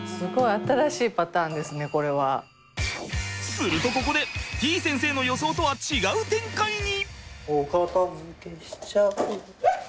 するとここでてぃ先生の予想とは違う展開に！？